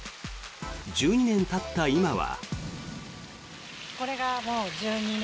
１２年たった今は。